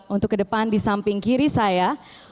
untuk kedepan di samping kiri saya